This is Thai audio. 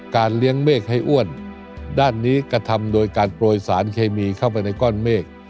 เลี้ยงเมฆให้อ้วนด้านนี้กระทำโดยการโปรยสารเคมีเข้าไปในก้อนเมฆ